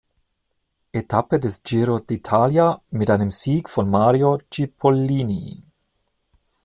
Etappe des Giro d’Italia mit einem Sieg von Mario Cipollini.